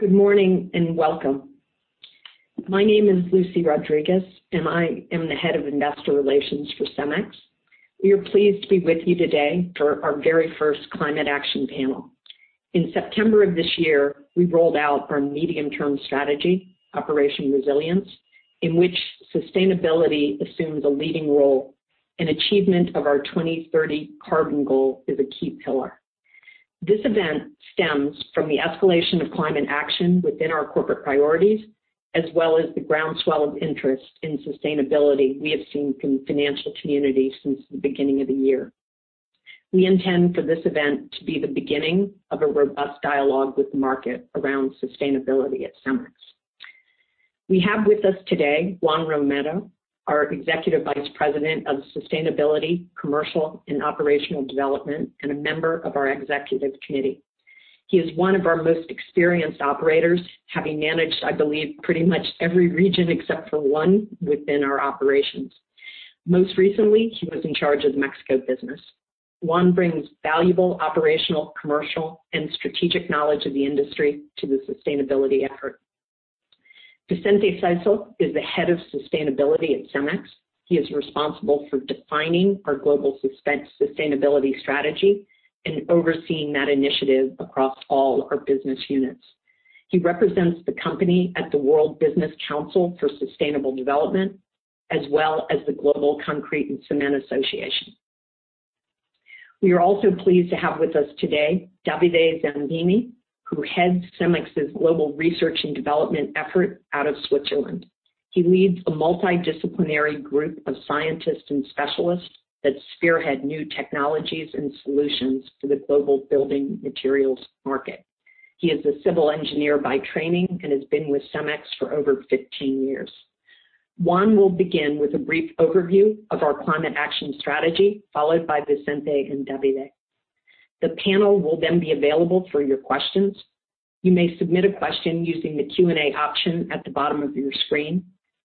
Good morning. Welcome. My name is Lucy Rodríguez. I am the Head of Investor Relations for CEMEX. We are pleased to be with you today for our very first Climate Action Panel. In September of this year, we rolled out our medium-term strategy, Operation Resilience, in which sustainability assumes a leading role in achievement of our 2030 carbon goal is a key pillar. This event stems from the escalation of climate action within our corporate priorities, as well as the groundswell of interest in sustainability we have seen from the financial community since the beginning of the year. We intend for this event to be the beginning of a robust dialogue with the market around sustainability at CEMEX. We have with us today Juan Romero, our Executive Vice President of Sustainability, Commercial, and Operations Development, a member of our executive committee. He is one of our most experienced operators, having managed, I believe, pretty much every region except for one within our operations. Most recently, he was in charge of the Mexico business. Juan brings valuable operational, commercial, and strategic knowledge of the industry to the sustainability effort. Vicente Saisó is the Head of Sustainability at CEMEX. He is responsible for defining our global sustainability strategy and overseeing that initiative across all our business units. He represents the company at the World Business Council for Sustainable Development, as well as the Global Cement and Concrete Association. We are also pleased to have with us today Davide Zampini, who heads CEMEX's global research and development effort out of Switzerland. He leads a multidisciplinary group of scientists and specialists that spearhead new technologies and solutions for the global building materials market. He is a civil engineer by training and has been with CEMEX for over 15 years. Juan will begin with a brief overview of our climate action strategy, followed by Vicente and Davide. The panel will then be available for your questions. You may submit a question using the Q&A option at the bottom of your screen.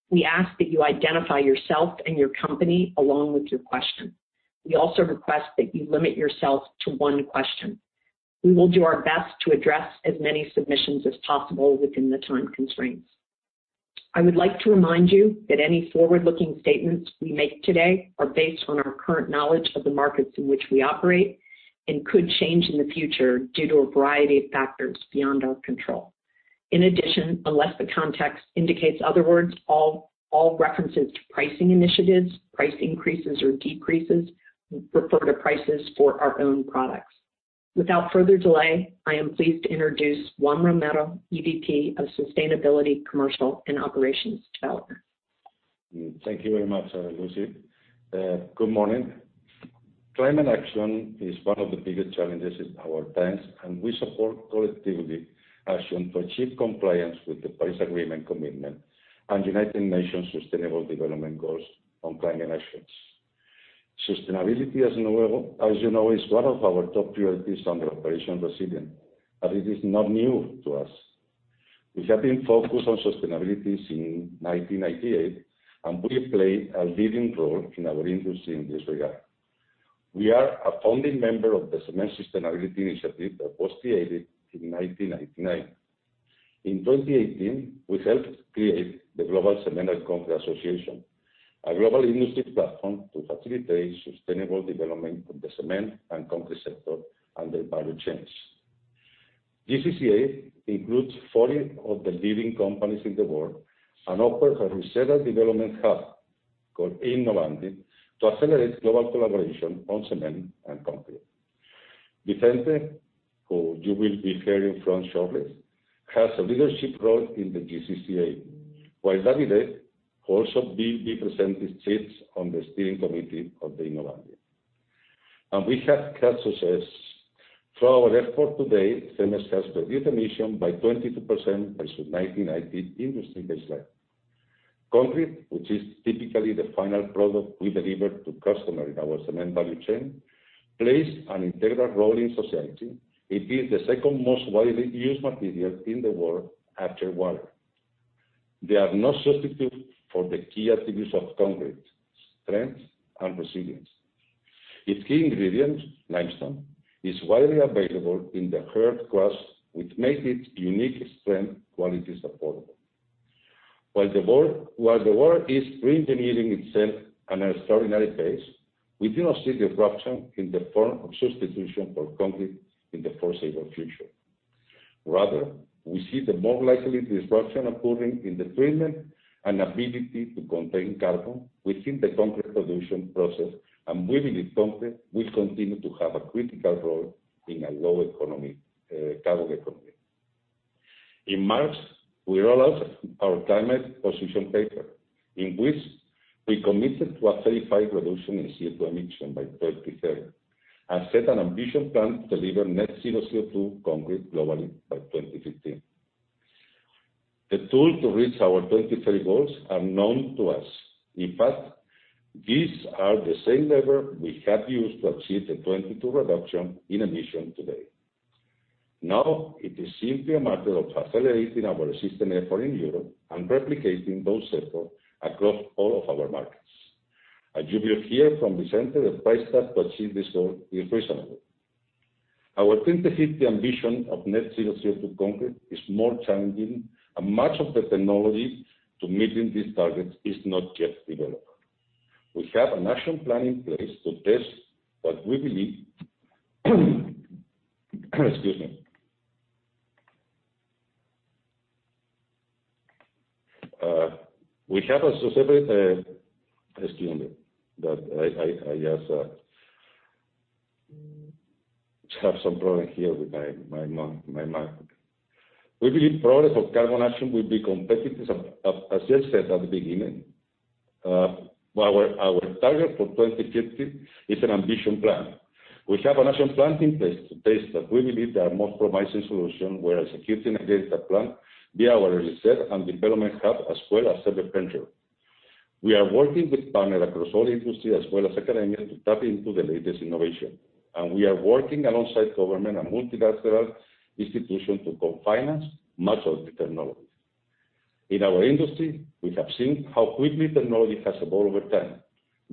We ask that you identify yourself and your company along with your question. We also request that you limit yourself to one question. We will do our best to address as many submissions as possible within the time constraints. I would like to remind you that any forward-looking statements we make today are based on our current knowledge of the markets in which we operate and could change in the future due to a variety of factors beyond our control. In addition, unless the context indicates otherwise, all references to pricing initiatives, price increases, or decreases refer to prices for our own products. Without further delay, I am pleased to introduce Juan Romero, EVP of Sustainability, Commercial, and Operations Development. Thank you very much, Lucy. Good morning. Climate action is one of the biggest challenges in our times. We support collectively action to achieve compliance with the Paris Agreement commitment and United Nations Sustainable Development Goals on climate actions. Sustainability, as you know, is one of our top priorities under Operation Resilience. It is not new to us. We have been focused on sustainability since 1998. We play a leading role in our industry in this regard. We are a founding member of the Cement Sustainability Initiative that was created in 1999. In 2018, we helped create the Global Cement and Concrete Association, a global industry platform to facilitate sustainable development of the cement and concrete sector and their value chains. GCCA includes 40 of the leading companies in the world and offers a research and development hub called Innovandi to accelerate global collaboration on cement and concrete. Vicente, who you will be hearing from shortly, has a leadership role in the GCCA, while Davide also represents his seats on the steering committee of the Innovandi. We have had success. Through our effort to date, CEMEX has reduced emission by 22% versus 1990 industry baseline. Concrete, which is typically the final product we deliver to customer in our cement value chain, plays an integral role in society. It is the second most widely used material in the world after water. There are no substitutes for the key attributes of concrete: strength and resilience. Its key ingredient, limestone, is widely available in the earth crust, which makes its unique strength qualities affordable. While the world is reinventing itself at an extraordinary pace, we do not see disruption in the form of substitution for concrete in the foreseeable future. Rather, we see the more likely disruption occurring in the treatment and ability to contain carbon within the concrete production process, and believe that concrete will continue to have a critical role in a low carbon economy. In March, we rolled out our climate position paper, in which we committed to a 35% reduction in CO2 emission by 2030 and set an ambitious plan to deliver net zero CO2 concrete globally by 2050. The tools to reach our 2030 goals are known to us. In fact, these are the same lever we have used to achieve the 22% reduction in emission to date. Now it is simply a matter of accelerating our existing effort in Europe and replicating those efforts across all of our markets. As you will hear from Vicente, the price tag to achieve this goal is reasonable. Our 2050 ambition of net zero CO2 concrete is more challenging, and much of the technology to meeting these targets is not yet developed. We have an action plan in place to test what we believe. Excuse me. Excuse me, but I just have some problem here with my mic. We believe progress of carbon action will be competitive, as Vicente said at the beginning. Our target for 2050 is an ambition plan. We have an action plan in place to test that we believe they are most promising solution where executing against that plan via our R&D hub, as well as other venture. We are working with partners across all industry as well as academia to tap into the latest innovation. We are working alongside government and multilateral institutions to co-finance much of the technology. In our industry, we have seen how quickly technology has evolved over time.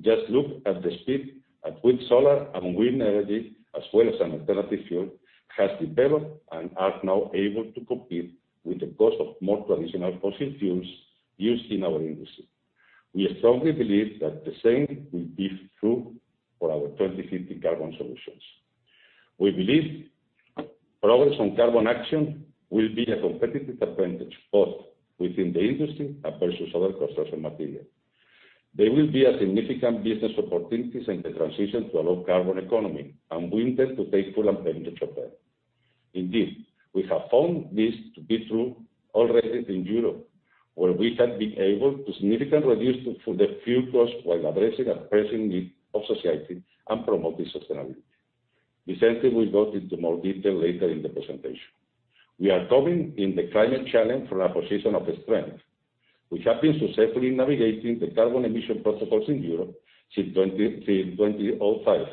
Just look at the speed at which solar and wind energy, as well as an alternative fuel, has developed and are now able to compete with the cost of more traditional fossil fuels used in our industry. We strongly believe that the same will be true for our 2050 carbon solutions. We believe progress on carbon action will be a competitive advantage, both within the industry and versus other construction material. There will be a significant business opportunities in the transition to a low carbon economy, and we intend to take full advantage of that. Indeed, we have found this to be true already in Europe, where we have been able to significantly reduce the fuel cost while addressing a pressing need of society and promoting sustainability. Vicente will go into more detail later in the presentation. We are coming in the climate challenge from a position of strength. We have been successfully navigating the carbon emission protocols in Europe since 2005.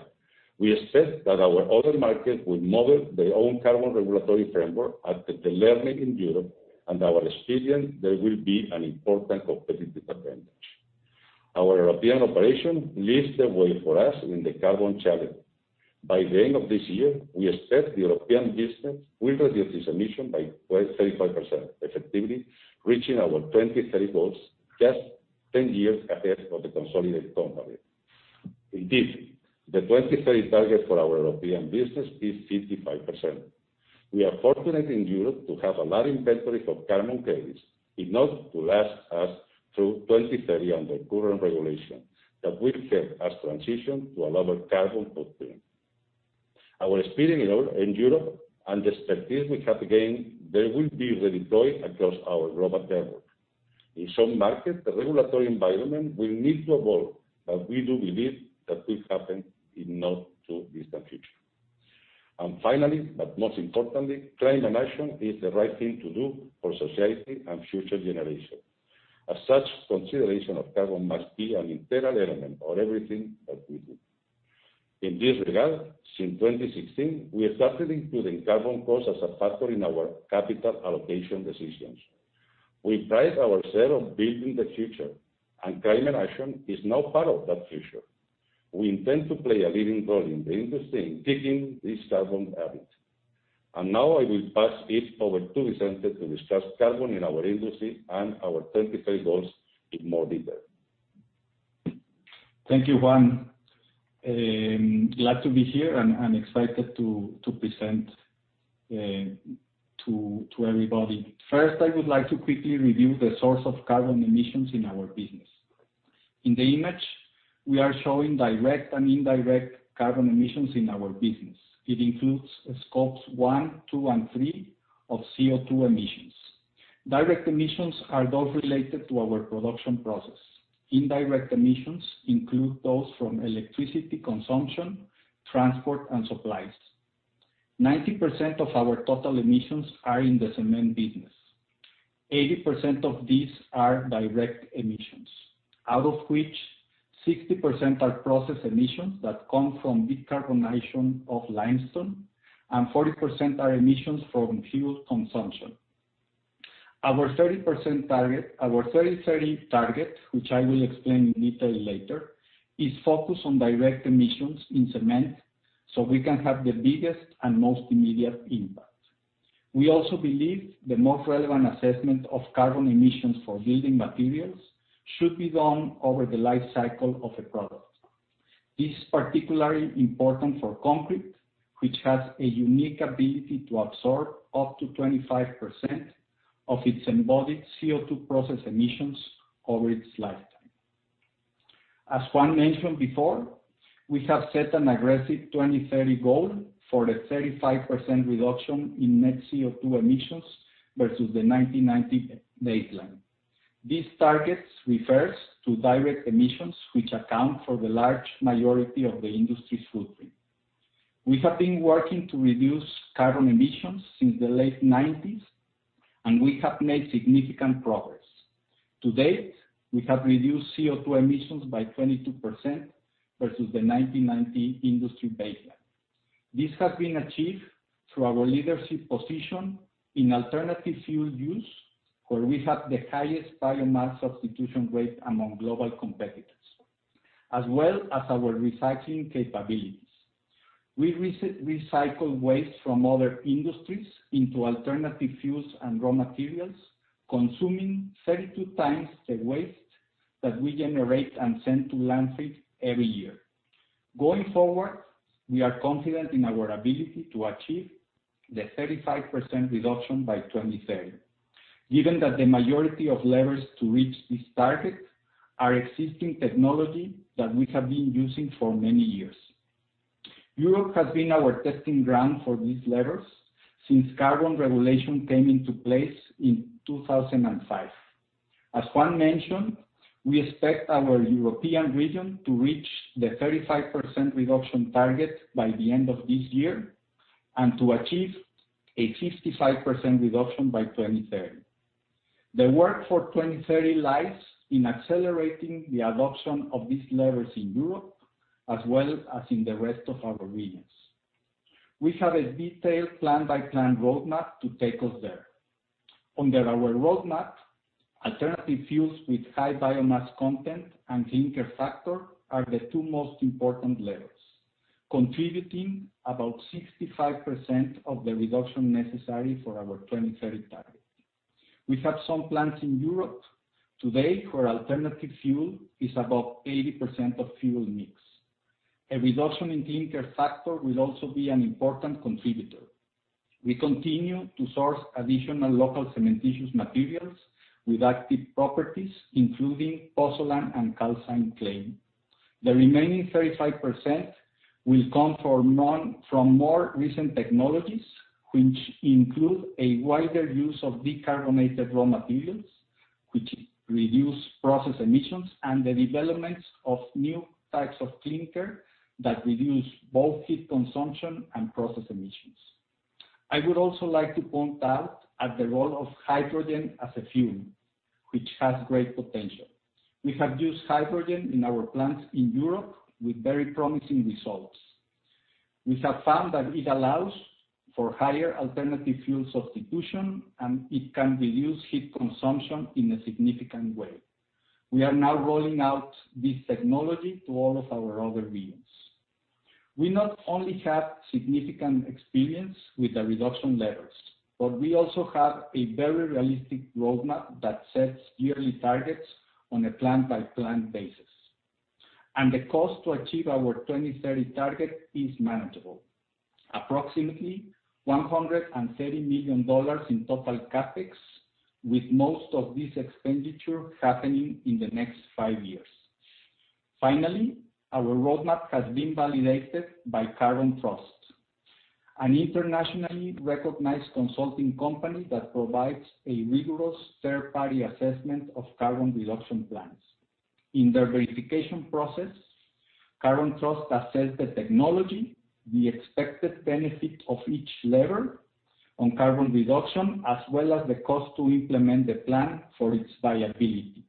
We expect that our other markets will model their own carbon regulatory framework after the learning in Europe and our experience there will be an important competitive advantage. Our European operation leads the way for us in the carbon challenge. By the end of this year, we expect the European business will reduce its emission by 35%, effectively reaching our 2030 goals just 10 years ahead of the consolidated company. Indeed, the 2030 target for our European business is 55%. We are fortunate in Europe to have a large inventory of carbon credits, enough to last us through 2030 under current regulation, that will help us transition to a lower carbon footprint. Our experience in Europe and the expertise we have gained there will be redeployed across our global network. In some markets, the regulatory environment will need to evolve, but we do believe that will happen in not too distant future. Finally, but most importantly, climate action is the right thing to do for society and future generation. As such, consideration of carbon must be an integral element of everything that we do. In this regard, since 2016, we have started including carbon cost as a factor in our capital allocation decisions. We pride ourselves on building the future, and climate action is now part of that future. We intend to play a leading role in the industry in digging this carbon habit. Now I will pass it over to Vicente to discuss carbon in our industry and our 2030 goals in more detail. Thank you, Juan. Glad to be here, and excited to present to everybody. First, I would like to quickly review the source of carbon emissions in our business. In the image, we are showing direct and indirect carbon emissions in our business. It includes scopes one, two, and three of CO2 emissions. Direct emissions are those related to our production process. Indirect emissions include those from electricity consumption, transport, and supplies. 90% of our total emissions are in the cement business. 80% of these are direct emissions, out of which 60% are process emissions that come from decarbonization of limestone, and 40% are emissions from fuel consumption. Our 30% target, our 2030 target, which I will explain in detail later, is focused on direct emissions in cement so we can have the biggest and most immediate impact. We also believe the most relevant assessment of carbon emissions for building materials should be done over the life cycle of a product. This is particularly important for concrete, which has a unique ability to absorb up to 25% of its embodied CO2 process emissions over its lifetime. As Juan mentioned before, we have set an aggressive 2030 goal for the 35% reduction in net CO2 emissions versus the 1990 baseline. These targets refers to direct emissions, which account for the large majority of the industry's footprint. We have been working to reduce carbon emissions since the late '90s, and we have made significant progress. To date, we have reduced CO2 emissions by 22% versus the 1990 industry baseline. This has been achieved through our leadership position in alternative fuel use, where we have the highest biomass substitution rate among global competitors, as well as our recycling capabilities. We recycle waste from other industries into alternative fuels and raw materials, consuming 32 times the waste that we generate and send to landfill every year. Going forward, we are confident in our ability to achieve the 35% reduction by 2030, given that the majority of levers to reach this target are existing technology that we have been using for many years. Europe has been our testing ground for these levers since carbon regulation came into place in 2005. As Juan mentioned, we expect our European region to reach the 35% reduction target by the end of this year, and to achieve a 55% reduction by 2030. The work for 2030 lies in accelerating the adoption of these levers in Europe, as well as in the rest of our regions. We have a detailed plan-by-plan roadmap to take us there. Under our roadmap, alternative fuels with high biomass content and clinker factor are the two most important levers, contributing about 65% of the reduction necessary for our 2030 target. We have some plants in Europe today where alternative fuel is above 80% of fuel mix. A reduction in clinker factor will also be an important contributor. We continue to source additional local cementitious materials with active properties, including pozzolan and calcined clay. The remaining 35% will come from more recent technologies, which include a wider use of decarbonated raw materials, which reduce process emissions, and the development of new types of clinker that reduce both heat consumption and process emissions. I would also like to point out at the role of hydrogen as a fuel, which has great potential. We have used hydrogen in our plants in Europe with very promising results. We have found that it allows for higher alternative fuel substitution, and it can reduce heat consumption in a significant way. We are now rolling out this technology to all of our other regions. We not only have significant experience with the reduction levers, but we also have a very realistic roadmap that sets yearly targets on a plan-by-plan basis, and the cost to achieve our 2030 target is manageable. Approximately $130 million in total CapEx, with most of this expenditure happening in the next five years. Finally, our roadmap has been validated by Carbon Trust, an internationally recognized consulting company that provides a rigorous third-party assessment of carbon reduction plans. In their verification process, Carbon Trust assessed the technology, the expected benefit of each lever on carbon reduction, as well as the cost to implement the plan for its viability.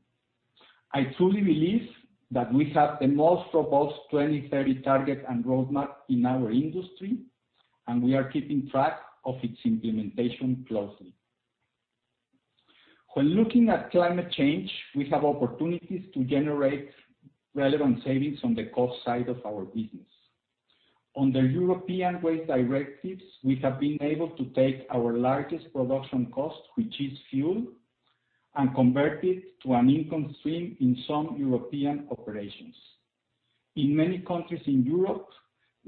I truly believe that we have the most robust 2030 target and roadmap in our industry, and we are keeping track of its implementation closely. When looking at climate change, we have opportunities to generate relevant savings on the cost side of our business. Under European waste directives, we have been able to take our largest production cost, which is fuel, and convert it to an income stream in some European operations. In many countries in Europe,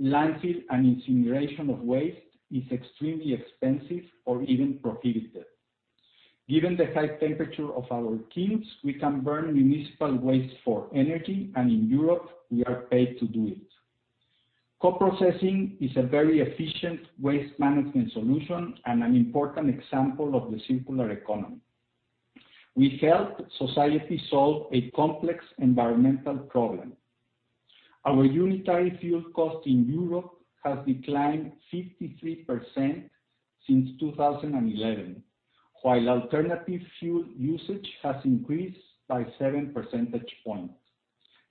landfill and incineration of waste is extremely expensive or even prohibited. Given the high temperature of our kilns, we can burn municipal waste for energy, and in Europe, we are paid to do it. Co-processing is a very efficient waste management solution and an important example of the circular economy. We help society solve a complex environmental problem. Our unitary fuel cost in Europe has declined 53% since 2011, while alternative fuel usage has increased by 7 percentage points.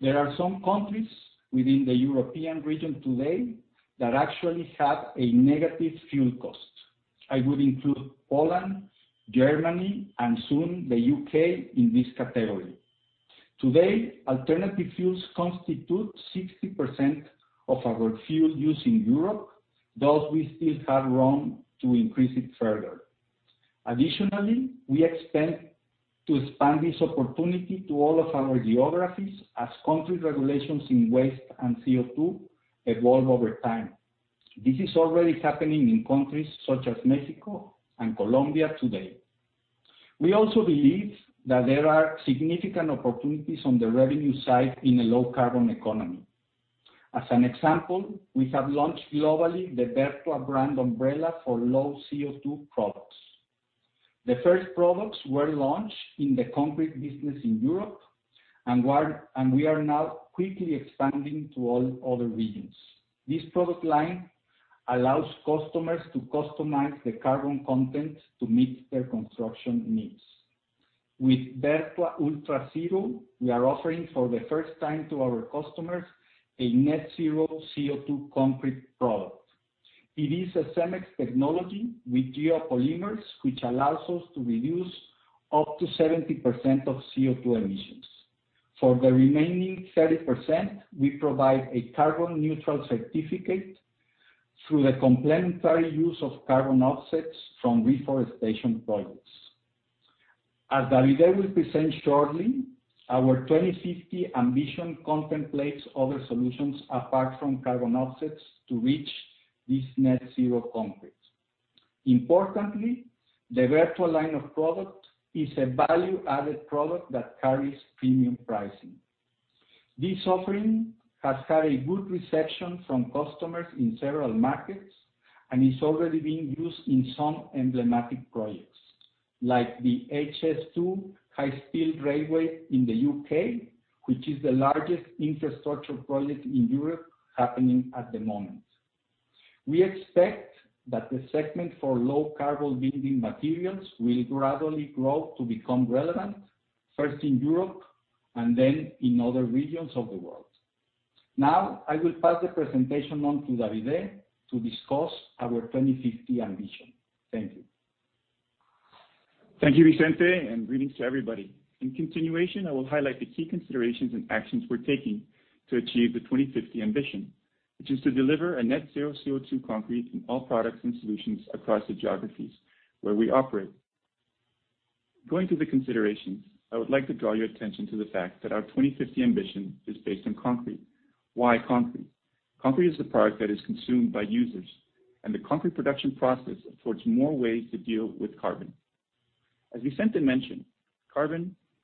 There are some countries within the European region today that actually have a negative fuel cost. I would include Poland, Germany, and soon the U.K. in this category. Today, alternative fuels constitute 60% of our fuel use in Europe, thus we still have room to increase it further. We expect to expand this opportunity to all of our geographies as country regulations in waste and CO2 evolve over time. This is already happening in countries such as Mexico and Colombia today. We also believe that there are significant opportunities on the revenue side in a low carbon economy. As an example, we have launched globally the Vertua brand umbrella for low CO2 products. The first products were launched in the concrete business in Europe, and we are now quickly expanding to all other regions. This product line allows customers to customize the carbon content to meet their construction needs. With Vertua Ultra Zero, we are offering for the first time to our customers a net-zero CO2 concrete product. It is a cement technology with geopolymers, which allows us to reduce up to 70% of CO2 emissions. For the remaining 30%, we provide a carbon neutral certificate through the complementary use of carbon offsets from reforestation projects. As Davide Zampini will present shortly, our 2050 ambition contemplates other solutions apart from carbon offsets to reach this net-zero concrete. Importantly, the Vertua line of product is a value-added product that carries premium pricing. This offering has had a good reception from customers in several markets and is already being used in some emblematic projects, like the HS2 High-Speed Railway in the U.K., which is the largest infrastructure project in Europe happening at the moment. We expect that the segment for low carbon building materials will gradually grow to become relevant, first in Europe and then in other regions of the world. I will pass the presentation on to Davide to discuss our 2050 ambition. Thank you. Thank you, Vicente, and greetings to everybody. In continuation, I will highlight the key considerations and actions we're taking to achieve the 2050 ambition, which is to deliver a net zero CO2 concrete in all products and solutions across the geographies where we operate. Going to the considerations, I would like to draw your attention to the fact that our 2050 ambition is based on concrete. Why concrete? Concrete is a product that is consumed by users, and the concrete production process affords more ways to deal with carbon. As Vicente mentioned,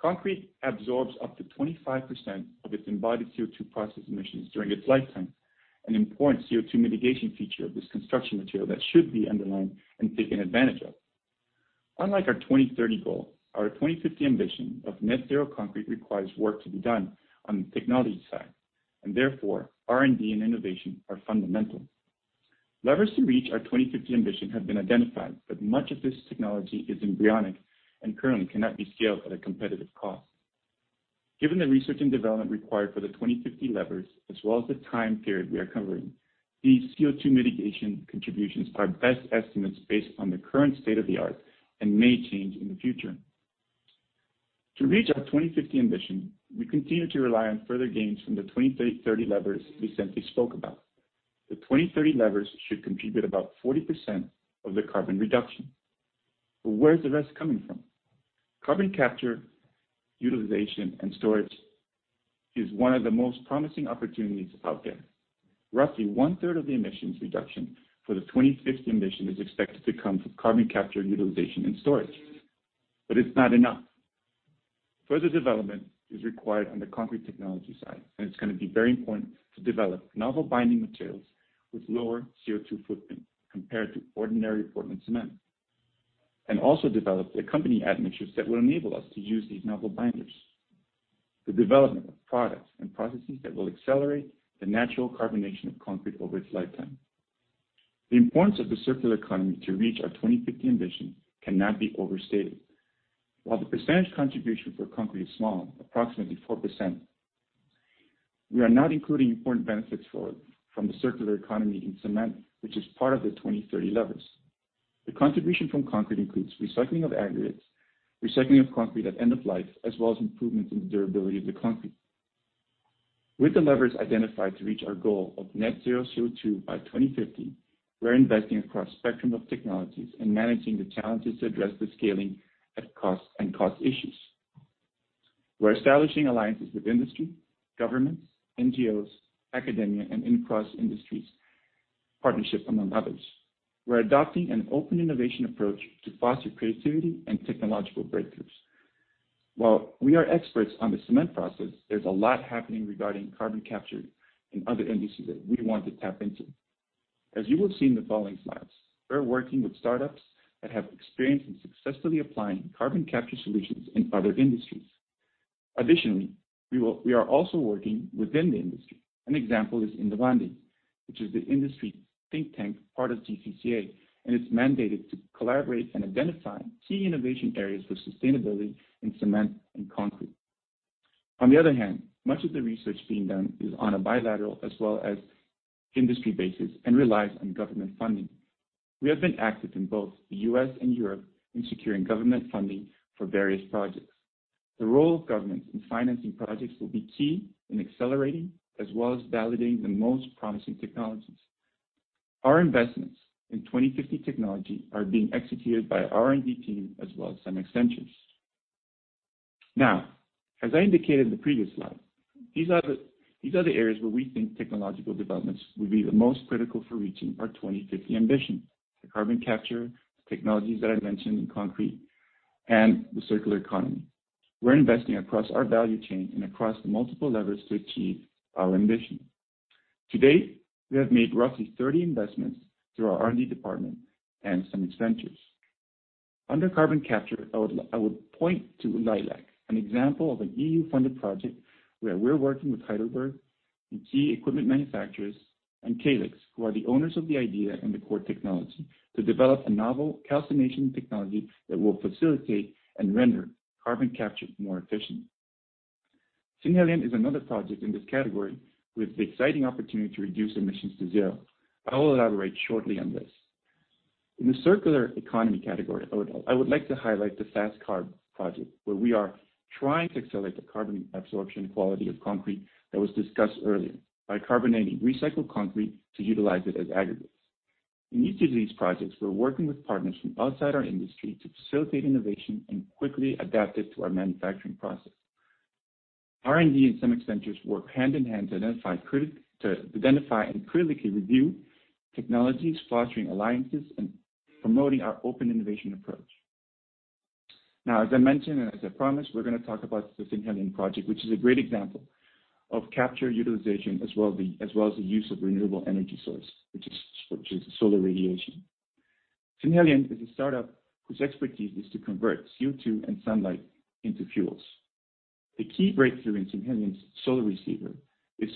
concrete absorbs up to 25% of its embodied CO2 process emissions during its lifetime, an important CO2 mitigation feature of this construction material that should be underlined and taken advantage of. Unlike our 2030 goal, our 2050 ambition of net zero concrete requires work to be done on the technology side, and therefore, R&D and innovation are fundamental. Levers to reach our 2050 ambition have been identified, but much of this technology is embryonic and currently cannot be scaled at a competitive cost. Given the research and development required for the 2050 levers, as well as the time period we are covering, these CO2 mitigation contributions are best estimates based on the current state-of-the-art and may change in the future. To reach our 2050 ambition, we continue to rely on further gains from the 2030 levers Vicente spoke about. The 2030 levers should contribute about 40% of the carbon reduction. Where is the rest coming from? Carbon capture, utilization, and storage is one of the most promising opportunities out there. Roughly one-third of the emissions reduction for the 2050 ambition is expected to come from carbon capture, utilization, and storage. It's not enough. Further development is required on the concrete technology side. It's going to be very important to develop novel binding materials with lower CO2 footprint compared to ordinary Portland cement. Also develop the accompanying admixtures that will enable us to use these novel binders. The development of products and processes that will accelerate the natural carbonation of concrete over its lifetime. The importance of the circular economy to reach our 2050 ambition cannot be overstated. While the percentage contribution for concrete is small, approximately 4%, we are not including important benefits from the circular economy in cement, which is part of the 2030 levers. The contribution from concrete includes recycling of aggregates, recycling of concrete at end of life, as well as improvements in the durability of the concrete. With the levers identified to reach our goal of net zero CO2 by 2050, we're investing across spectrum of technologies and managing the challenges to address the scaling and cost issues. We're establishing alliances with industry, governments, NGOs, academia, and in cross industries, partnership among others. We're adopting an open innovation approach to foster creativity and technological breakthroughs. While we are experts on the cement process, there's a lot happening regarding carbon capture in other industries that we want to tap into. As you will see in the following slides, we are working with startups that have experience in successfully applying carbon capture solutions in other industries. Additionally, we are also working within the industry. An example is Innovandi, which is the industry think tank part of GCCA, and it's mandated to collaborate and identify key innovation areas for sustainability in cement and concrete. On the other hand, much of the research being done is on a bilateral as well as industry basis and relies on government funding. We have been active in both the U.S. and Europe in securing government funding for various projects. The role of governments in financing projects will be key in accelerating as well as validating the most promising technologies. Our investments in 2050 technology are being executed by our R&D team as well as some extensions. As I indicated in the previous slide, these are the areas where we think technological developments will be the most critical for reaching our 2050 ambition, the carbon capture technologies that I mentioned in concrete, and the circular economy. We're investing across our value chain and across the multiple levers to achieve our ambition. To date, we have made roughly 30 investments through our R&D department and some extensions. Under carbon capture, I would point to LEILAC, an example of an EU-funded project where we're working with HeidelbergCement and key equipment manufacturers and Calix, who are the owners of the idea and the core technology to develop a novel calcination technology that will facilitate and render carbon capture more efficient. Synhelion is another project in this category with the exciting opportunity to reduce emissions to zero. I will elaborate shortly on this. In the circular economy category, I would like to highlight the FastCarb project, where we are trying to accelerate the carbon absorption quality of concrete that was discussed earlier by carbonating recycled concrete to utilize it as aggregates. In each of these projects, we're working with partners from outside our industry to facilitate innovation and quickly adapt it to our manufacturing process. R&D and CEMEX Ventures work hand in hand to identify and critically review technologies, fostering alliances and promoting our open innovation approach. As I mentioned, and as I promised, we're going to talk about the Synhelion project, which is a great example of capture utilization, as well as the use of renewable energy source, which is solar radiation. Synhelion is a startup whose expertise is to convert CO2 and sunlight into fuels. The key breakthrough in Synhelion is solar receiver. It's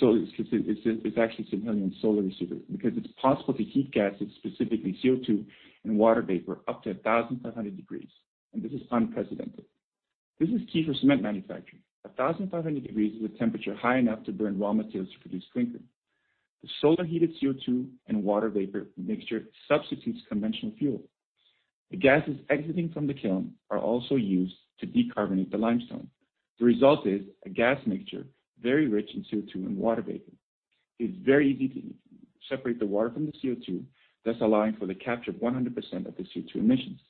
actually Synhelion solar receiver because it's possible to heat gases, specifically CO2 and water vapor, up to 1,500 degrees. This is unprecedented. This is key for cement manufacturing. 1,500 degrees is a temperature high enough to burn raw materials to produce clinker. The solar heated CO2 and water vapor mixture substitutes conventional fuel. The gases exiting from the kiln are also used to decarbonate the limestone. The result is a gas mixture, very rich in CO2 and water vapor. It's very easy to separate the water from the CO2, thus allowing for the capture of 100% of the CO2 emissions.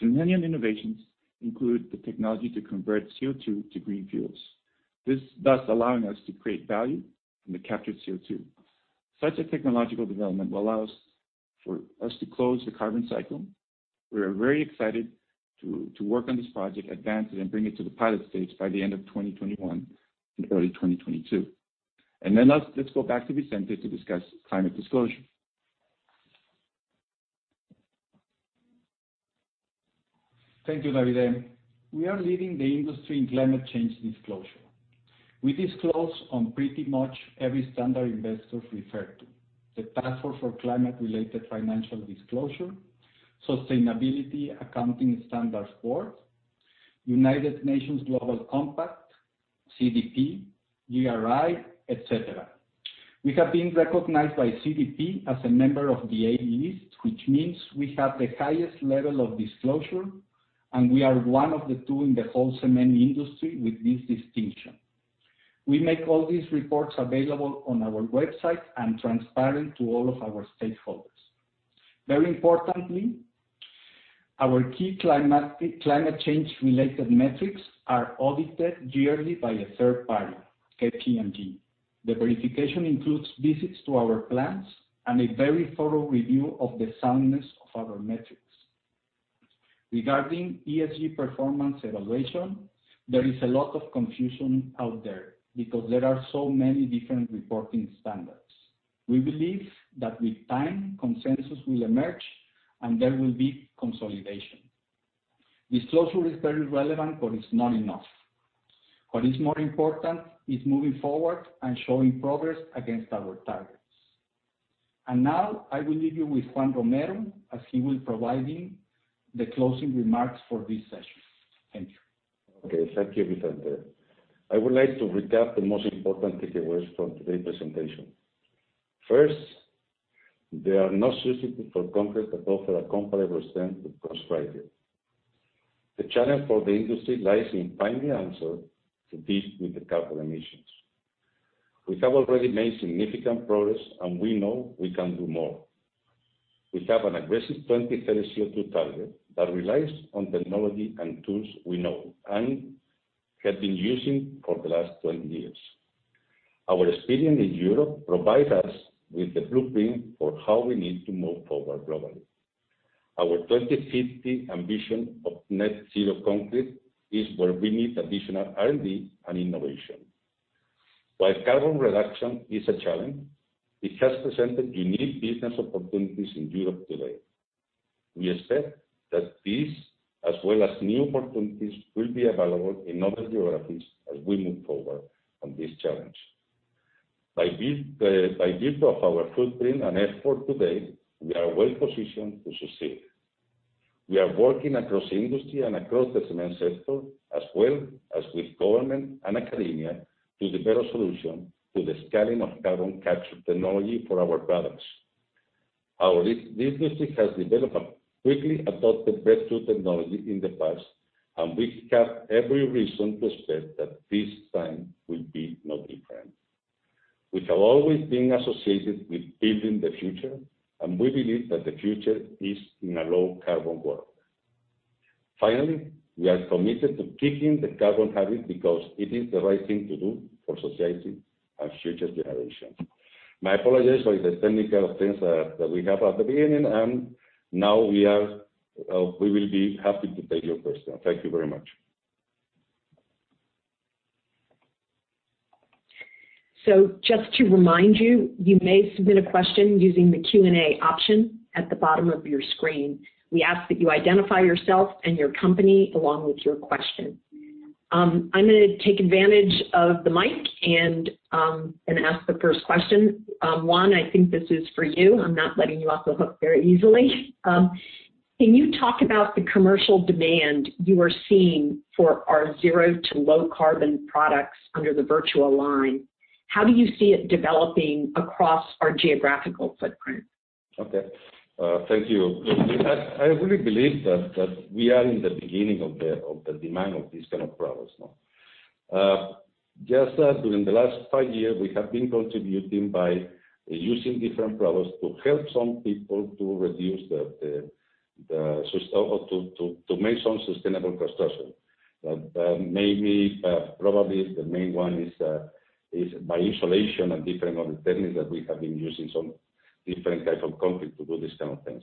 Synhelion innovations include the technology to convert CO2 to green fuels, thus allowing us to create value in the captured CO2. Such a technological development will allow us to close the carbon cycle. We are very excited to work on this project, advance it, and bring it to the pilot stage by the end of 2021 and early 2022. Let's go back to Vicente to discuss climate disclosure. Thank you, Davide. We are leading the industry in climate change disclosure. We disclose on pretty much every standard investors refer to. The Task Force on Climate-related Financial Disclosures, Sustainability Accounting Standards Board, United Nations Global Compact, CDP, GRI, et cetera. We have been recognized by CDP as a member of the A List, which means we have the highest level of disclosure, and we are one of the two in the whole cement industry with this distinction. We make all these reports available on our website and transparent to all of our stakeholders. Very importantly, our key climate change-related metrics are audited yearly by a third party, KPMG. The verification includes visits to our plants and a very thorough review of the soundness of our metrics. Regarding ESG performance evaluation, there is a lot of confusion out there because there are so many different reporting standards. We believe that with time, consensus will emerge, and there will be consolidation. Disclosure is very relevant, but it's not enough. What is more important is moving forward and showing progress against our targets. Now I will leave you with Juan Romero as he will be providing the closing remarks for this session. Thank you. Okay. Thank you, Vicente. I would like to recap the most important takeaways from today's presentation. First, there are no substitutes for concrete that offer a comparable strength with cost parity. The challenge for the industry lies in finding answers to deal with the carbon emissions. We have already made significant progress, and we know we can do more. We have an aggressive 2030 CO2 target that relies on technology and tools we know and have been using for the last 20 years. Our experience in Europe provides us with the blueprint for how we need to move forward globally. Our 2050 ambition of net zero concrete is where we need additional R&D and innovation. While carbon reduction is a challenge, it has presented unique business opportunities in Europe today. We expect that these, as well as new opportunities, will be available in other geographies as we move forward on this challenge. By virtue of our footprint and effort today, we are well-positioned to succeed. We are working across industry and across the cement sector, as well as with government and academia, to develop solutions to the scaling of carbon capture technology for our products. Our industry has developed and quickly adopted breakthrough technology in the past, and we have every reason to expect that this time will be no different. We have always been associated with building the future, and we believe that the future is in a low carbon world. Finally, we are committed to kicking the carbon habit because it is the right thing to do for society and future generations. My apologies for the technical things that we had at the beginning, and now we will be happy to take your questions. Thank you very much. Just to remind you may submit a question using the Q&A option at the bottom of your screen. We ask that you identify yourself and your company along with your question. I'm going to take advantage of the mic and ask the first question. Juan, I think this is for you. I'm not letting you off the hook very easily. Can you talk about the commercial demand you are seeing for our zero to low-carbon products under the Vertua line? How do you see it developing across our geographical footprint? Okay. Thank you. Lucy. I really believe that we are in the beginning of the demand of these kind of products. Just that during the last five years, we have been contributing by using different products to help some people to make some sustainable construction. Probably the main one is by insulation and different alternatives that we have been using, some different types of concrete to do these kind of things.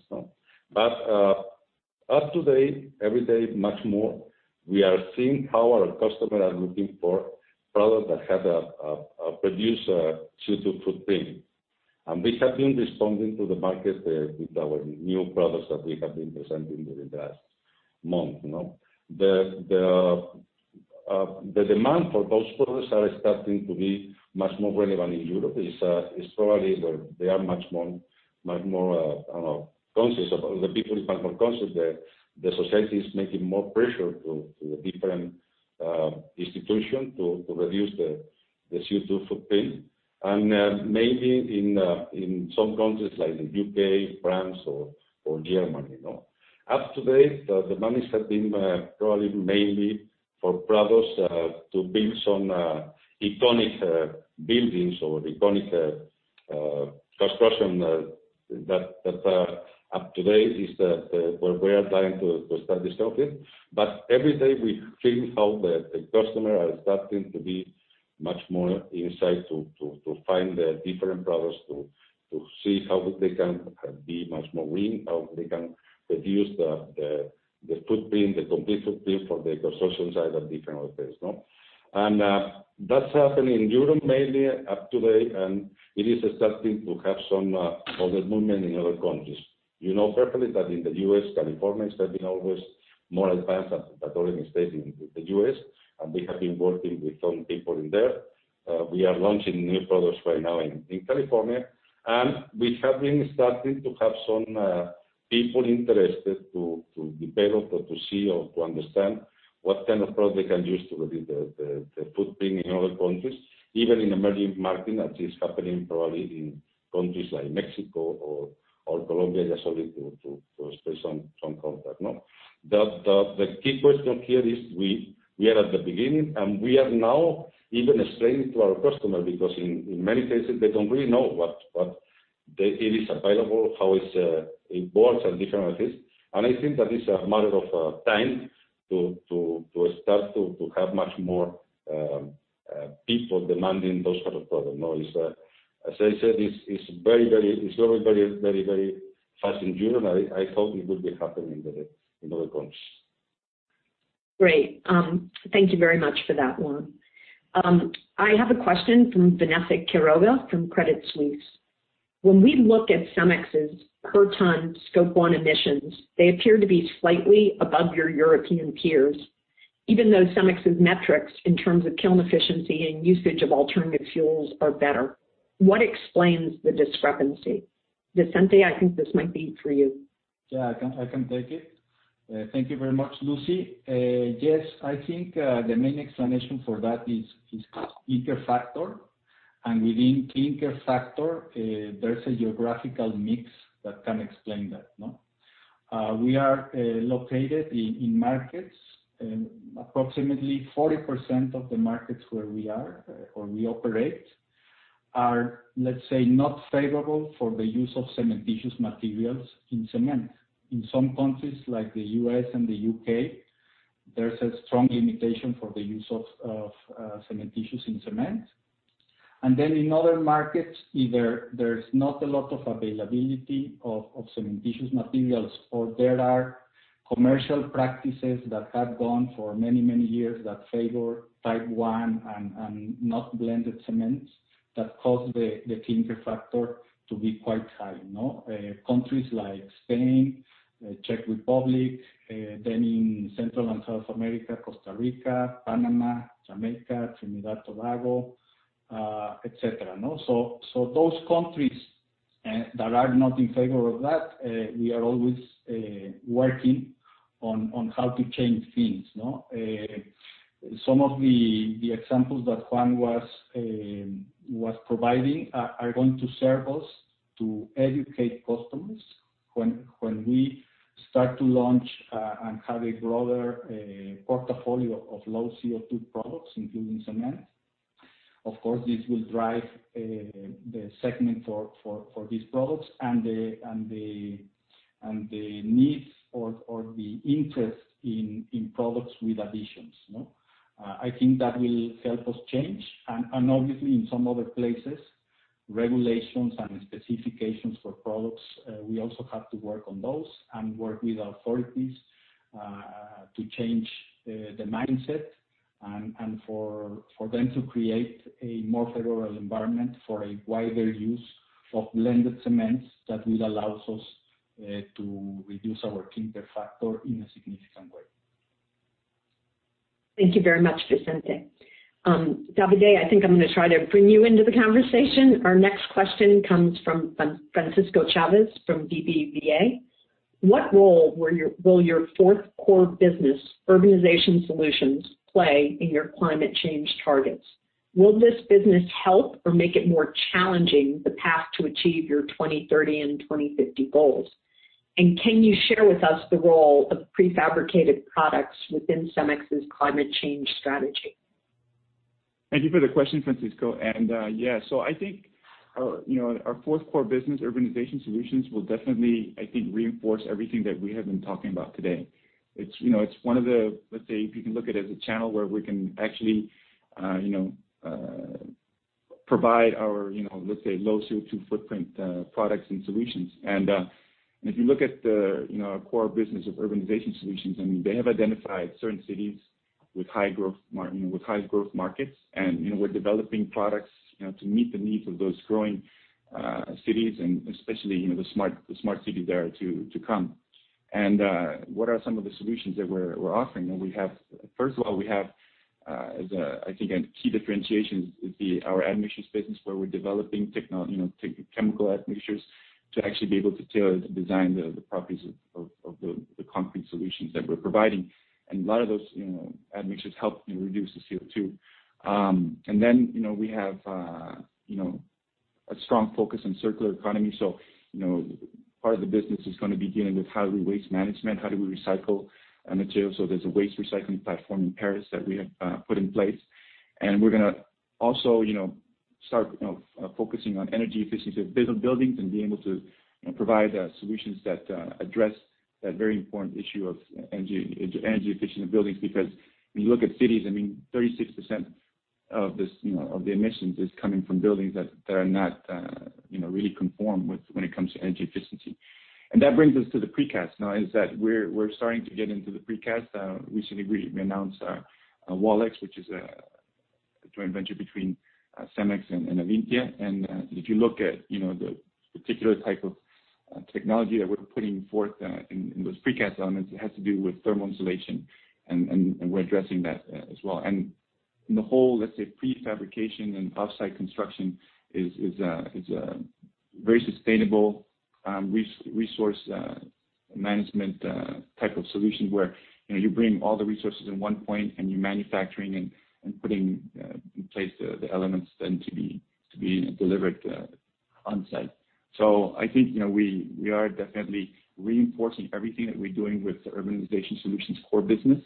As today, every day much more, we are seeing how our customers are looking for products that have a producer CO2 footprint. We have been responding to the market with our new products that we have been presenting during the last month. The demand for those products are starting to be much more relevant in Europe. It's probably where the people is much more conscious there. The society is making more pressure to the different institution to reduce the CO2 footprint. Maybe in some countries like the U.K., France, or Germany. Up to date, the demands have been probably mainly for products to build some economic buildings or economic construction that up to date is where we are trying to start this topic. Every day, we think how the customer are starting to be much more insight to find the different products, to see how they can be much more green, how they can reduce the footprint, the competitive for the construction side and different other things. That's happening in Europe mainly up to date, and it is starting to have some other movement in other countries. You know perfectly that in the U.S., California has been always more advanced than other states in the U.S., and we have been working with some people in there. We are launching new products right now in California. We have been starting to have some people interested to be part of, or to see or to understand what kind of product they can use to reduce the footprint in other countries, even in emerging market, that is happening probably in countries like Mexico or Colombia, just only to say some contact. The key question here is we are at the beginning, and we are now even explaining to our customer, because in many cases, they don't really know what is available, how it works and different like this. I think that it's a matter of time to start to have much more people demanding those sort of products. As I said, it's very, very fast in June. I thought it would be happening in other countries. Great. Thank you very much for that, Juan. I have a question from Vanessa Quiroga from Credit Suisse. When we look at CEMEX's per ton scope one emissions, they appear to be slightly above your European peers, even though CEMEX's metrics in terms of kiln efficiency and usage of alternative fuels are better. What explains the discrepancy? Vicente, I think this might be for you. Yeah, I can take it. Thank you very much, Lucy. Yes, I think, the main explanation for that is, clinker factor, and within clinker factor, there's a geographical mix that can explain that. We are located in markets. Approximately 40% of the markets where we are or we operate are, let's say, not favorable for the use of cementitious materials in cement. In some countries like the U.S. and the U.K., there's a strong limitation for the use of cementitious in cement. In other markets, either there's not a lot of availability of cementitious materials or there are commercial practices that have gone for many, many years that favor Type 1 and not blended cements that cause the clinker factor to be quite high. Countries like Spain, Czech Republic, then in Central and South America, Costa Rica, Panama, Jamaica, Trinidad, Tobago, et cetera. Those countries that are not in favor of that, we are always working on how to change things. Some of the examples that Juan was providing are going to serve us to educate customers when we start to launch and have a broader portfolio of low CO2 products, including cement. Of course, this will drive the segment for these products and the needs or the interest in products with additions. I think that will help us change. Obviously in some other places, regulations and specifications for products, we also have to work on those and work with authorities to change the mindset and for them to create a more favorable environment for a wider use of blended cements that would allow us to reduce our clinker factor in a significant way. Thank you very much, Vicente. Davide, I think I'm going to try to bring you into the conversation. Our next question comes from Francisco Chávez, from BBVA. What role will your fourth core business, urbanization solutions, play in your climate change targets? Will this business help or make it more challenging, the path to achieve your 2030 and 2050 goals? Can you share with us the role of pre-fabricated products within CEMEX's climate change strategy? Thank you for the question, Francisco. Yeah, I think our fourth core business, urbanization solutions, will definitely, I think, reinforce everything that we have been talking about today. It's one of the, let's say, if you can look at it as a channel where we can actually provide our let's say low CO2 footprint products and solutions. If you look at our core business of urbanization solutions, they have identified certain cities with high growth markets, and we're developing products to meet the needs of those growing cities and especially, the smart cities there to come. What are some of the solutions that we're offering? First of all, we have, I think, a key differentiation is our admixtures business, where we're developing chemical admixtures to actually be able to tailor, to design the properties of the concrete solutions that we're providing. A lot of those admixtures help reduce the CO2. We have a strong focus on circular economy. Part of the business is going to be dealing with how do we waste management, how do we recycle materials. There's a waste recycling platform in Paris that we have put in place. We're going to also start focusing on energy efficiency of buildings and being able to provide solutions that address that very important issue of energy efficient buildings. When you look at cities, 36% of the emissions is coming from buildings that are not really conform when it comes to energy efficiency. That brings us to the precast. Now is that we're starting to get into the precast. Recently, we announced Wallex, which is a joint venture between CEMEX and Avintia. If you look at the particular type of technology that we're putting forth in those precast elements, it has to do with thermal insulation, and we're addressing that as well. In the whole, let's say, prefabrication and offsite construction is a very sustainable resource management type of solution, where you bring all the resources in one point and you're manufacturing and putting in place the elements then to be delivered on-site. I think we are definitely reinforcing everything that we're doing with the urbanization solutions core business.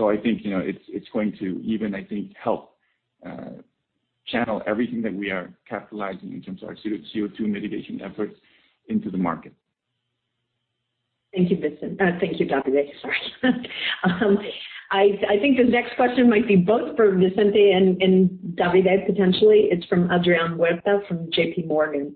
I think it's going to even, I think, help channel everything that we are capitalizing in terms of our CO2 mitigation efforts into the market. Thank you, Davide. Sorry. I think this next question might be both for Vicente and Davide, potentially. It is from Adrian Huerta from JPMorgan.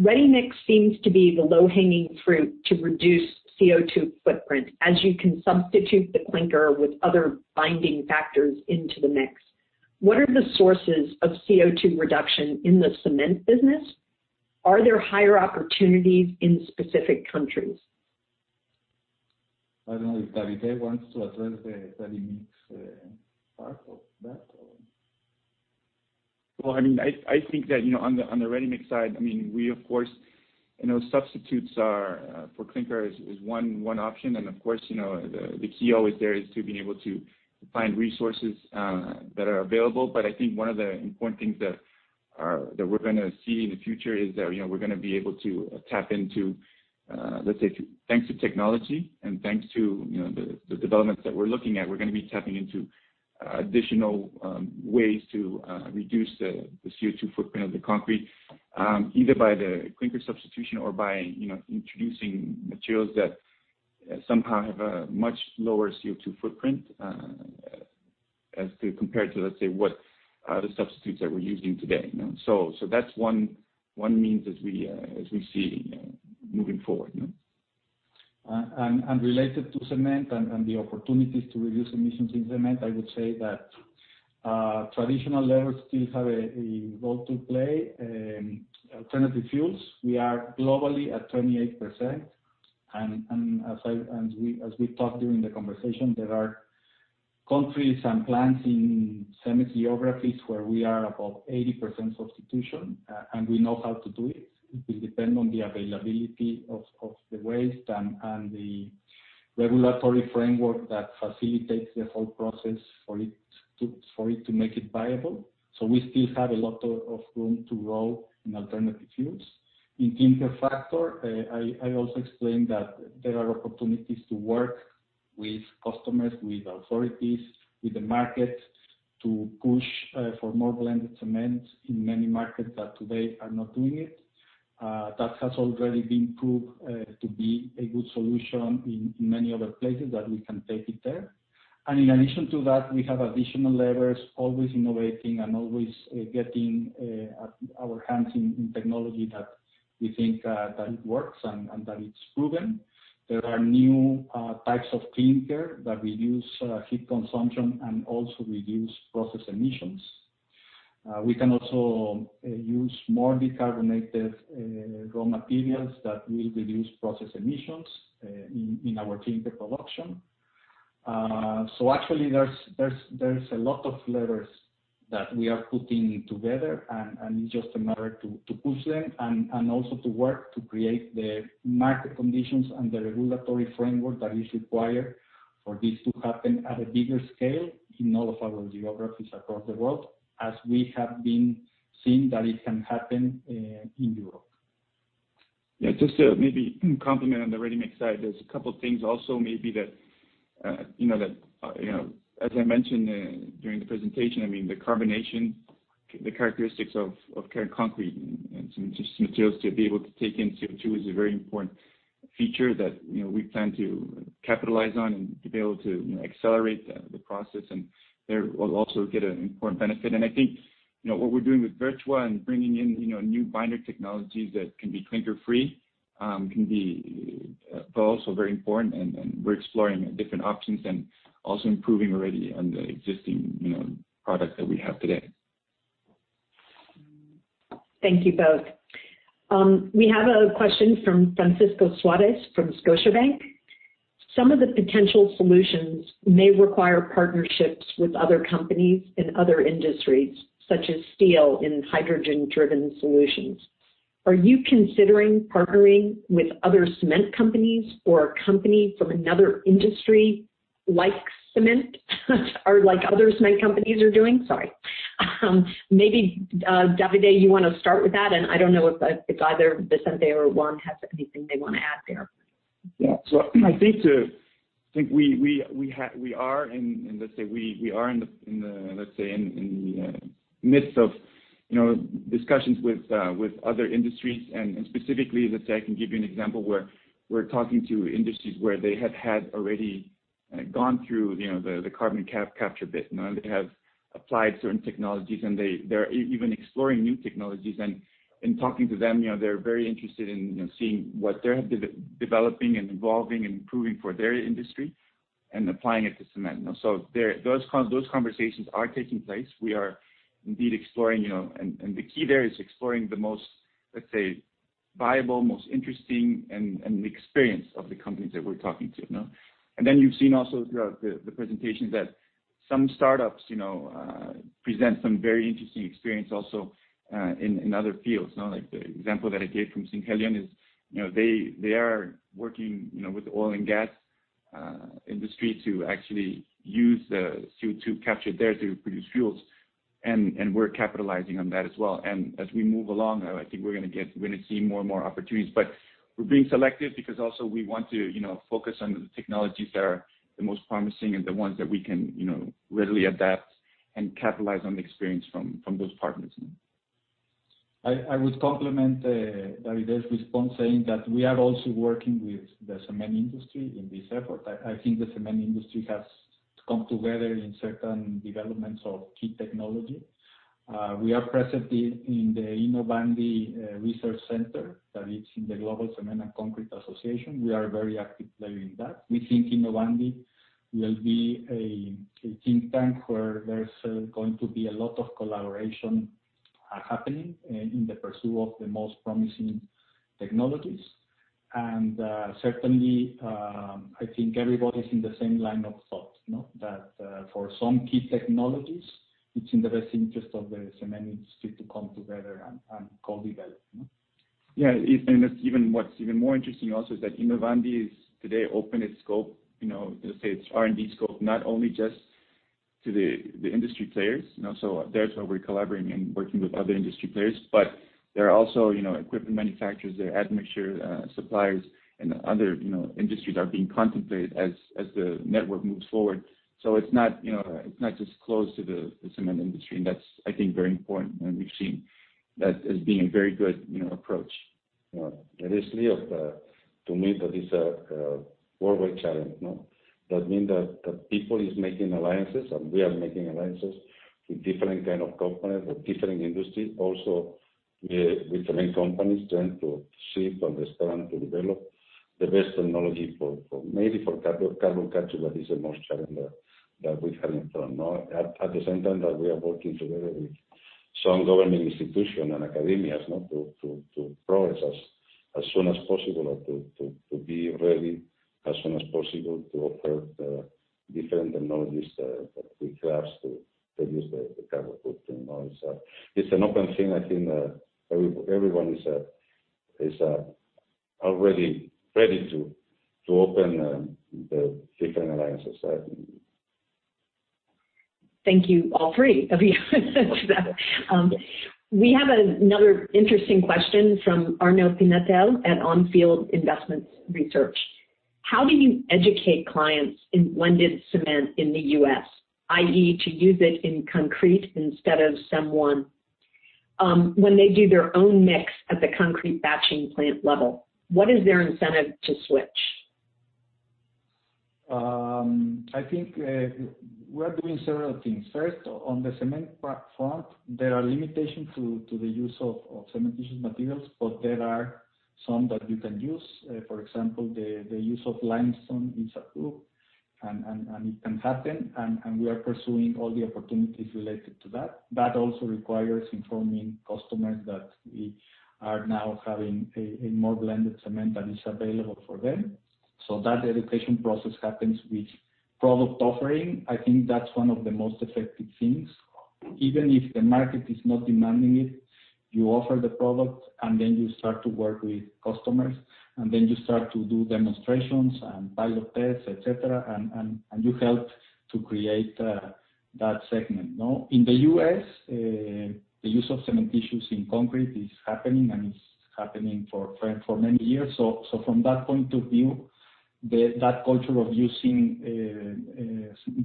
ReadyMix seems to be the low-hanging fruit to reduce CO2 footprint, as you can substitute the clinker with other binding factors into the mix. What are the sources of CO2 reduction in the cement business? Are there higher opportunities in specific countries? I don't know if Davide wants to address the ready-mix part of that or. Well, I think that on the readyMix side, we, of course, substitutes for clinker is one option. Of course, the key always there is to be able to find resources that are available. I think one of the important things that we're going to see in the future is that we're going to be able to tap into, let's say, thanks to technology and thanks to the developments that we're looking at, we're going to be tapping into additional ways to reduce the CO2 footprint of the concrete, either by the clinker substitution or by introducing materials that somehow have a much lower CO2 footprint as compared to, let's say, what are the substitutes that we're using today. That's one means as we see moving forward. Related to cement and the opportunities to reduce emissions in cement, I would say that traditional levers still have a role to play. Alternative fuels, we are globally at 28%. As we talked during the conversation, there are countries and plants in CEMEX geographies where we are above 80% substitution, and we know how to do it. It will depend on the availability of the waste and the regulatory framework that facilitates the whole process for it to make it viable. We still have a lot of room to grow in alternative fuels. In clinker factor, I also explained that there are opportunities to work with customers, with authorities, with the market, to push for more blended cement in many markets that today are not doing it. That has already been proved to be a good solution in many other places that we can take it there. In addition to that, we have additional levers, always innovating and always getting our hands in technology that we think that it works and that it's proven. There are new types of clinker that reduce heat consumption and also reduce process emissions. We can also use more decarbonated raw materials that will reduce process emissions in our cement production. Actually, there's a lot of levers that we are putting together, and it's just a matter to push them and also to work to create the market conditions and the regulatory framework that is required for this to happen at a bigger scale in all of our geographies across the world, as we have been seeing that it can happen in Europe. Just to maybe complement on the ready-mix side, there's a couple things also maybe that, as I mentioned during the presentation, the carbonation, the characteristics of concrete and some materials to be able to take in CO2 is a very important feature that we plan to capitalize on and to be able to accelerate the process, and there we'll also get an important benefit. I think, what we're doing with Vertua and bringing in new binder technologies that can be clinker-free, can be also very important and we're exploring different options and also improving already on the existing product that we have today. Thank you both. We have a question from Francisco Suarez from Scotiabank. Some of the potential solutions may require partnerships with other companies in other industries, such as steel and hydrogen-driven solutions. Are you considering partnering with other cement companies or a company from another industry like cement or like other cement companies are doing? Sorry. Maybe Davide, you want to start with that, and I don't know if either Vicente or Juan has anything they want to add there. I think we are in the midst of discussions with other industries, and specifically, let's say I can give you an example where we're talking to industries where they have had already gone through the carbon capture bit. They have applied certain technologies, and they're even exploring new technologies, and in talking to them, they're very interested in seeing what they have been developing and evolving and improving for their industry and applying it to cement. Those conversations are taking place. We are indeed exploring, and the key there is exploring the most, let's say, viable, most interesting and the experience of the companies that we're talking to. You've seen also throughout the presentations that some startups present some very interesting experience also in other fields. Like the example that I gave from Saint-Gobain is, they are working with oil and gas industry to actually use the CO2 captured there to produce fuels, and we're capitalizing on that as well. As we move along, I think we're going to see more and more opportunities. We're being selective because also we want to focus on the technologies that are the most promising and the ones that we can readily adapt and capitalize on the experience from those partners. I would complement Davide's response saying that we are also working with the cement industry in this effort. I think the cement industry has come together in certain developments of key technology. We are present in the Innovandi Research Center that is in the Global Cement and Concrete Association. We are very active player in that. We think Innovandi will be a think tank where there's going to be a lot of collaboration happening in the pursuit of the most promising technologies. Certainly, I think everybody's in the same line of thought. That for some key technologies, it's in the best interest of the cement industry to come together and co-develop. What's even more interesting also is that Innovandi is today open its scope, let's say its R&D scope, not only just to the industry players. There's where we're collaborating and working with other industry players, but there are also equipment manufacturers, there are admixture suppliers, and other industries are being contemplated as the network moves forward. It's not just closed to the cement industry, and that's, I think, very important, and we've seen that as being a very good approach. Yeah. It is real to me that it's a worldwide challenge. That means that people is making alliances, and we are making alliances with different kind of companies or different industries. Also, with cement companies trying to see, to understand, to develop the best technology. Maybe for carbon capture, that is the most challenge that we have in front. At the same time that we are working together with some government institution and academias to progress as soon as possible or to be ready as soon as possible to offer the different technologies that we have to reduce the carbon footprint. It's an open thing. I think everyone is already ready to open the different alliances certainly. Thank you, all three of you. We have another interesting question from Arnaud Pinatel at On Field Investment Research. How do you educate clients in blended cement in the U.S., i.e., to use it in concrete instead of CEM I, when they do their own mix at the concrete batching plant level? What is their incentive to switch? I think we are doing several things. First, on the cement front, there are limitations to the use of cementitious materials, but there are some that you can use. For example, the use of limestone is approved. And it can happen, and we are pursuing all the opportunities related to that. That also requires informing customers that we are now having a more blended cement that is available for them. That education process happens with product offering. I think that's one of the most effective things. Even if the market is not demanding it, you offer the product, and then you start to work with customers, and then you start to do demonstrations and pilot tests, et cetera, and you help to create that segment. In the U.S., the use of cementitious in concrete is happening and it's happening for many years. From that point of view, that culture of using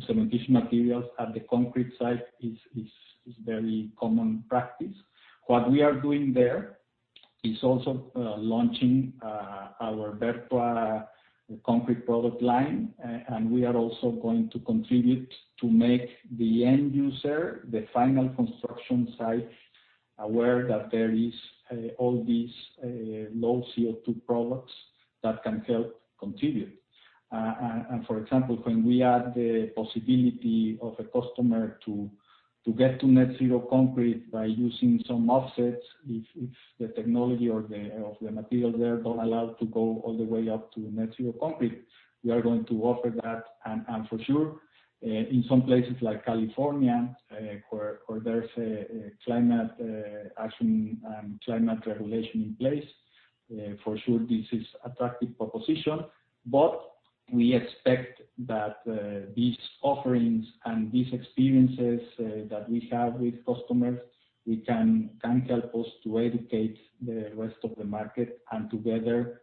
cementitious materials at the concrete site is very common practice. What we are doing there is also launching our Vertua concrete product line. We are also going to contribute to make the end user, the final construction site, aware that there is all these low CO2 products that can help contribute. For example, when we add the possibility of a customer to get to net zero concrete by using some offsets, if the technology or the materials there don't allow to go all the way up to net zero concrete, we are going to offer that. For sure, in some places like California, where there's a climate action and climate regulation in place, for sure this is attractive proposition. We expect that these offerings and these experiences that we have with customers can help us to educate the rest of the market, and together,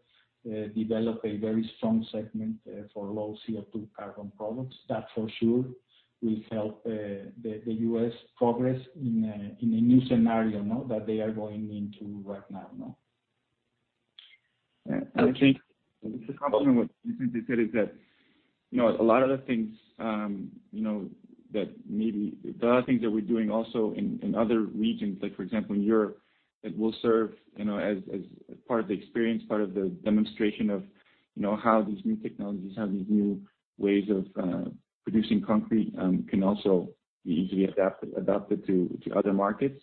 develop a very strong segment for low CO2 carbon products. That, for sure, will help the U.S. progress in a new scenario that they are going into right now. Okay. I think to complement what Vicente said is that, a lot of the things that There are things that we're doing also in other regions, like for example, in Europe, that will serve as part of the experience, part of the demonstration of how these new technologies, how these new ways of producing concrete can also be easily adapted to other markets.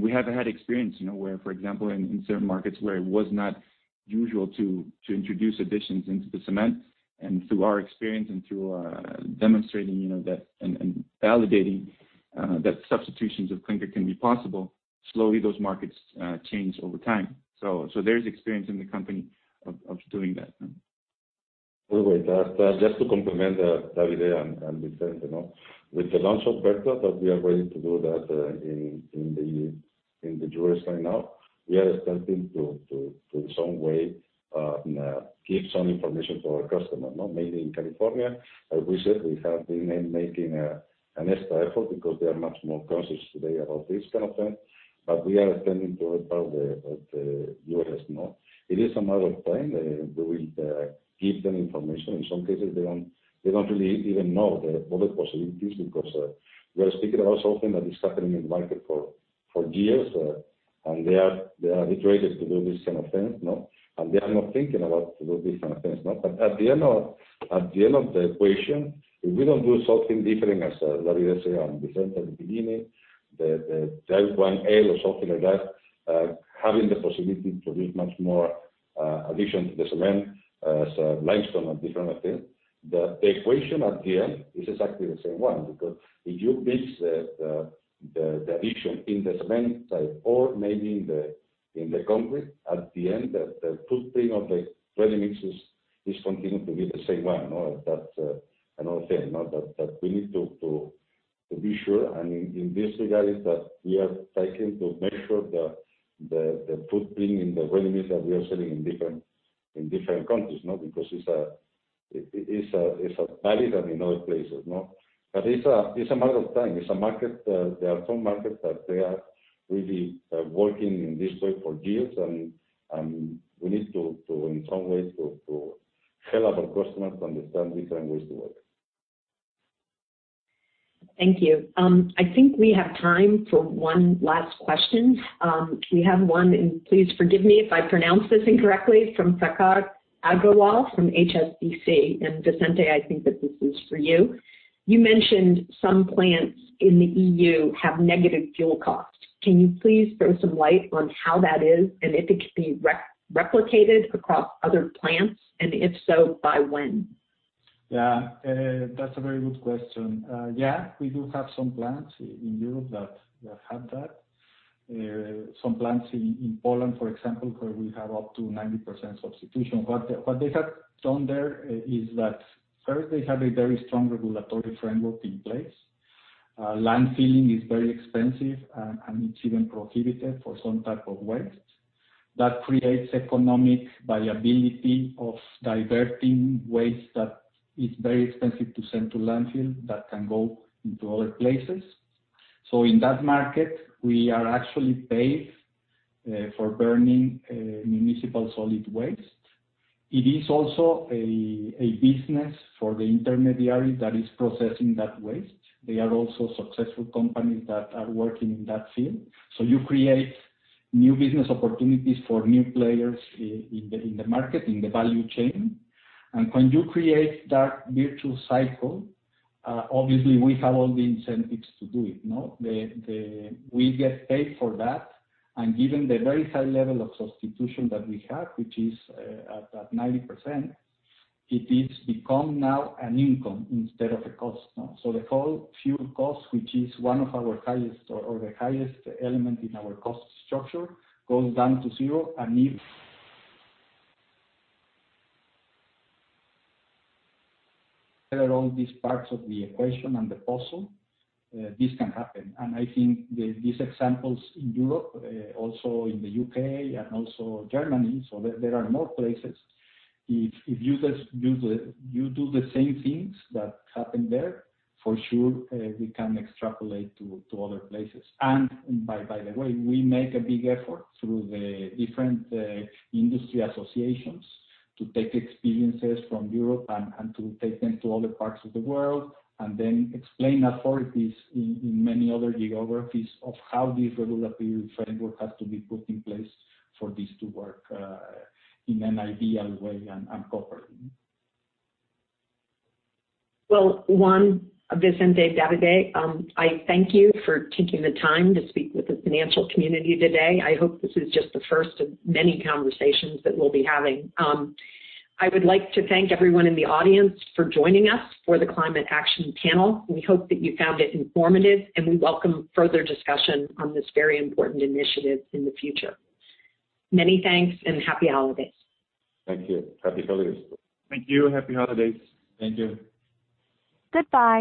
We have had experience where, for example, in certain markets where it was not usual to introduce additions into the cement. Through our experience and through demonstrating that, and validating that substitutions of clinker can be possible, slowly those markets change over time. There is experience in the company of doing that. Well, wait. Just to complement Davide and Vicente. With the launch of Vertua, that we are going to do that in the U.S. right now, we are starting to, in some way, give some information to our customer. Maybe in California, as we said, we have been making an extra effort because they are much more conscious today about this kind of thing, but we are extending to the whole part of the U.S. It is a matter of time. We will give them information. In some cases, they don't really even know the other possibilities, because we are speaking about something that is happening in the market for years, and they are integrated to do this kind of thing. They are not thinking about to do different things. At the end of the equation, if we don't do something different, as Davide said and Vicente at the beginning, the Type IL or something like that, having the possibility to build much more addition to the cement as limestone and different things. The equation at the end is exactly the same one, because if you mix the addition in the cement side or maybe in the concrete, at the end, the footprint of the ready-mix is continuing to be the same one. That's another thing, that we need to be sure, and in these regards, that we are trying to make sure the footprint in the ready-mix that we are selling in different countries. It's a barrier in other places. It's a matter of time. There are some markets that they are really working in this way for years, and we need to, in some ways, to help our customers to understand different ways to work. Thank you. I think we have time for one last question. We have one, please forgive me if I pronounce this incorrectly, from Sagar Agarwal from HSBC. Vicente, I think that this is for you. You mentioned some plants in the EU have negative fuel costs. Can you please throw some light on how that is, and if it could be replicated across other plants, and if so, by when? That's a very good question. We do have some plants in Europe that have that. Some plants in Poland, for example, where we have up to 90% substitution. What they have done there is that, first, they have a very strong regulatory framework in place. Landfilling is very expensive, and it's even prohibited for some type of waste. That creates economic viability of diverting waste that is very expensive to send to landfill that can go into other places. In that market, we are actually paid for burning municipal solid waste. It is also a business for the intermediary that is processing that waste. They are also successful companies that are working in that field. You create new business opportunities for new players in the market, in the value chain. When you create that virtual cycle, obviously we have all the incentives to do it. We get paid for that. Given the very high level of substitution that we have, which is at 90%, it is become now an income instead of a cost. The whole fuel cost, which is one of our highest, or the highest element in our cost structure, goes down to zero. Clear all these parts of the equation and the puzzle, this can happen. I think these examples in Europe, also in the U.K., and also Germany, there are more places. If you do the same things that happen there, for sure, we can extrapolate to other places. By the way, we make a big effort through the different industry associations to take experiences from Europe and to take them to other parts of the world, and then explain authorities in many other geographies of how this regulatory framework has to be put in place for this to work in an ideal way and properly. Well, Juan, Vicente, Davide, I thank you for taking the time to speak with the financial community today. I hope this is just the first of many conversations that we'll be having. I would like to thank everyone in the audience for joining us for the Climate Action panel. We hope that you found it informative, and we welcome further discussion on this very important initiative in the future. Many thanks and happy holidays. Thank you. Happy holidays. Thank you. Happy holidays. Thank you. Goodbye.